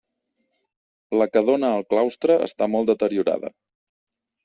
La que dóna al claustre està molt deteriorada.